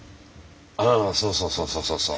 ああそうそうそうそうそうそう。